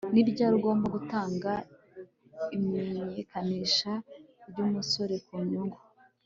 Ni ryari ugomba gutanga imenyekanisha ryumusoro ku nyungu